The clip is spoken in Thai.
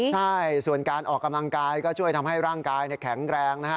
ใช่ส่วนการออกกำลังกายก็ช่วยทำให้ร่างกายแข็งแรงนะฮะ